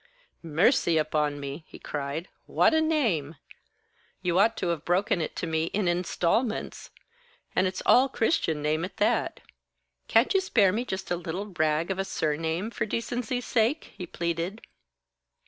"Mercy upon me," he cried, "what a name! You ought to have broken it to me in instalments. And it's all Christian name at that. Can't you spare me just a little rag of a surname, for decency's sake?" he pleaded.